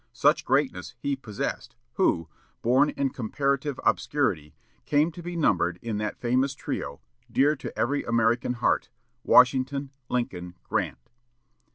Such greatness he possessed, who, born in comparative obscurity, came to be numbered in that famous trio, dear to every American heart: Washington, Lincoln, Grant.